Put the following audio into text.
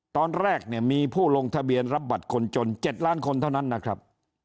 ตอนแรกเนี่ยมีผู้ลงทะเบียนรับบัตรคนจน๗ล้านคนเท่านั้นนะครับ